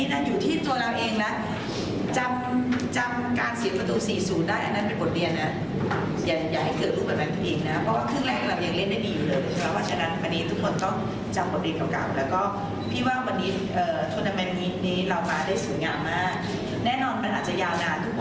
แน่นอนมันอาจจะยาวนานทุกคนคงคิดถึงบ้าน